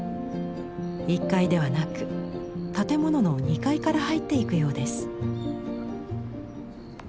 １階ではなく建物の２階から入っていくようです。